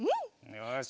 よし。